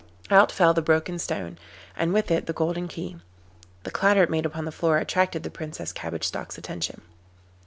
Out fell the broken stone, and with it the golden key. The clatter it made upon the floor attracted the Princess Cabbage Stalk's attention.